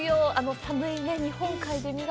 寒い日本海で、身が。